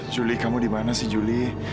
juli kamu dimana sih juli